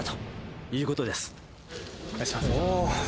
お願いします。